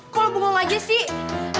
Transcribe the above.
kok lo bengong aja sih